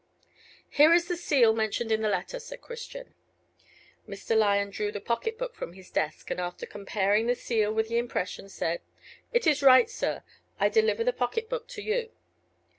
"Here is the seal mentioned in the letter," said Christian. Mr. Lyon drew the pocket book from his desk, and after comparing the seal with the impression, said, "It is right, sir: I deliver the pocket book to you."